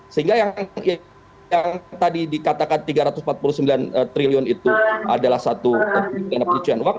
sehingga yang tadi dikatakan tiga ratus empat puluh sembilan triliun itu adalah satu terpidana pencucian uang